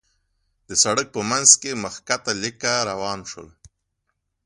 د سړک په مينځ کې مخ کښته ليکه روان شول.